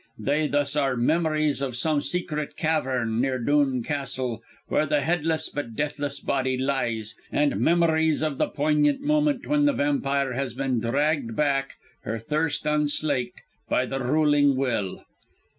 They thus are memories of some secret cavern near Dhoon Castle, where that headless but deathless body lies, and memories of the poignant moment when the vampire has been dragged back, her 'thirst unslaked,' by the ruling Will."